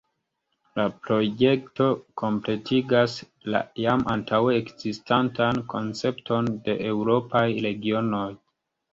La projekto kompletigas la jam antaŭe ekzistantan koncepton de eŭropaj regionoj.